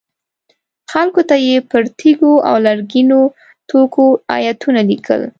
خلکو ته یې پر تیږو او لرګینو توکو ایتونه لیکل.